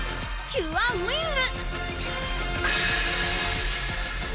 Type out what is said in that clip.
キュアウィング！